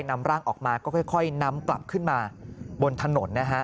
นำร่างออกมาก็ค่อยนำกลับขึ้นมาบนถนนนะฮะ